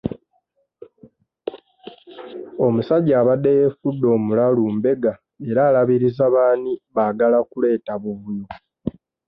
Omusajja abadde yeefudde omulalu mbega era alabiriza baani abaagala kuleeta buvuyo.